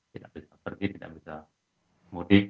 tidak bisa pergi tidak bisa mudik